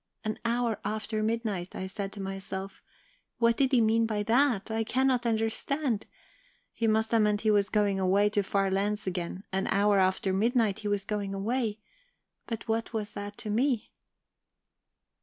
"'An hour after midnight,' I said to myself 'what did he mean by that? I cannot understand. He must have meant he was going away to far lands again; an hour after midnight he was going away but what was it to me?'